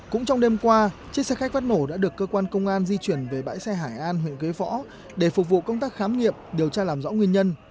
cũng trong đêm qua chiếc xe khách phát nổ đã được cơ quan công an di chuyển về bãi xe hải an huyện quế võ để phục vụ công tác khám nghiệm điều tra làm rõ nguyên nhân